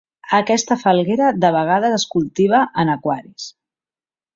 Aquesta falguera de vegades es cultiva en aquaris.